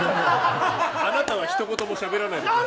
あなたはひと言もしゃべらないでください。